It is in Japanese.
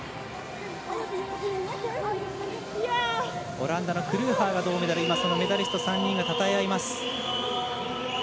オランダのクルーハーが銅メダルですが今、メダリスト３人がたたえ合います。